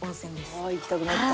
ああ行きたくなった。